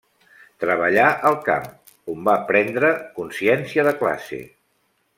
Treballà al camp on va prendre consciència de classe.